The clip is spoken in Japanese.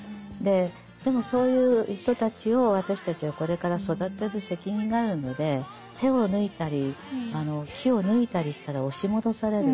でもそういう人たちを私たちはこれから育てる責任があるので手を抜いたり気を抜いたりしたら押し戻される。